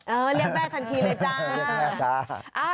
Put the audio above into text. เรียกแม่ทันทีเลยจ้า